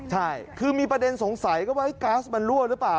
ใช่คือมีประเด็นสงสัยก็ว่าก๊าซมันรั่วหรือเปล่า